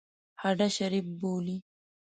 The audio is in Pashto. هډه شریف بولي.